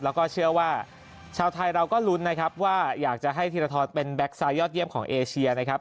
แล้วก็เชื่อว่าชาวไทยเราก็ลุ้นนะครับว่าอยากจะให้ธีรทรเป็นแก๊กซาวยอดเยี่ยมของเอเชียนะครับ